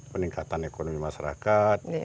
peningkatan ekonomi masyarakat